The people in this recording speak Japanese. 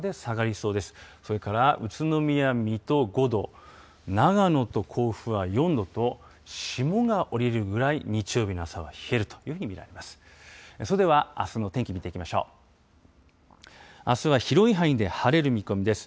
それから宇都宮、水戸５度、長野と甲府は４度と、霜が降りるぐらい、日曜日の朝は冷えるというふうに見られます。